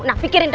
nah pikirin tuh